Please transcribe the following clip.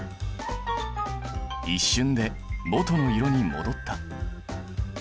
一瞬で元の色に戻った。